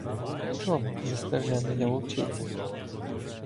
Чом не скажена я вовчиця?